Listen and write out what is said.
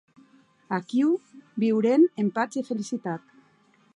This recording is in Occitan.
Aquiu viueren en patz e felicitat.